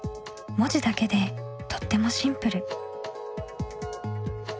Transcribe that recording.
文字だけでとってもシンプル。